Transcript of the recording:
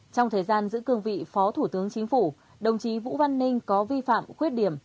trong thời gian giữ cương vị phó thủ tướng chính phủ đồng chí vũ văn ninh có vi phạm khuyết điểm